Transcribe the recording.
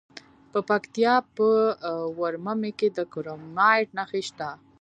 د پکتیکا په ورممی کې د کرومایټ نښې شته.